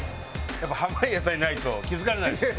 やっぱ濱家さんいないと気付かれないんですね。